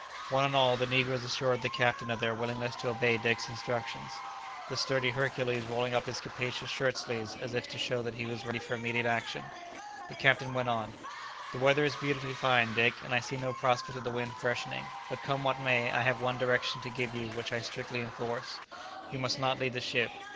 One and all, the negroes assured the captain of their willingness to obey Dick's instructions, the sturdy Hercules rolling up his capacious shirt sleeves as if to show that he was ready for immediate action. The captain went on, "The weather is beautifully fine, Dick, and I see no prospect of the wind freshening; but come what may, I have one direction to give you which I strictly enforce. You must not leave the ship.